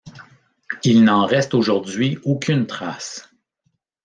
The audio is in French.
Il n'en reste aujourd'hui aucune trace.